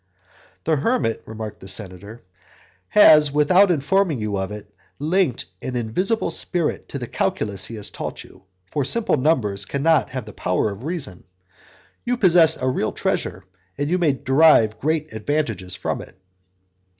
"The hermit," remarked the senator, "has without informing you of it, linked an invisible spirit to the calculus he has taught you, for simple numbers can not have the power of reason. You possess a real treasure, and you may derive great advantages from it."